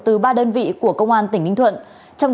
từ ba đơn vị của công an tỉnh ninh thuận